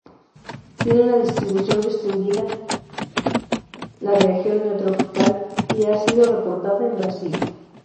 Tiene una distribución restringida a la región Neotropical y ha sido reportada en Brasil.